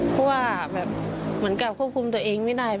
เพราะว่าแบบเหมือนกับควบคุมตัวเองไม่ได้